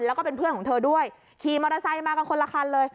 แล้วก็เป็นเพื่อนของเธอด้วยขี่มอเตอร์ไซค์มากันคนละคันเลย